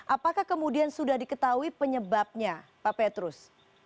apakah kemudian sudah diketahui penyebabnya pak petrus